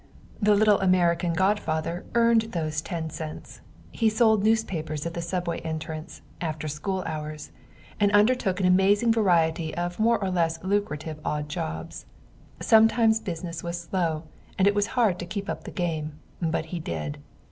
The little American godfather earned those ten cents; he sold newspapers at the subway entrance, after school hours, and undertook an amazing variety of more or less lucrative odd jobs. Sometimes business was slow, and it was hard to keep up the game; but he did.